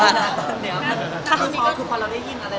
พี่พ่อทุกคนเราได้ยินอะไรอย่างที่มันจะตกจบในตัวเรา